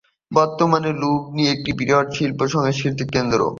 বর্তমানে লুবনি একটি বৃহৎ শিল্প ও সাংস্কৃতিক কেন্দ্র।